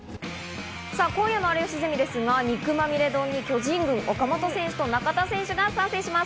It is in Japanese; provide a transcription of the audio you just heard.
今夜の『有吉ゼミ』ですが、肉まみれ丼に巨人軍・岡本選手と中田選手が参戦します。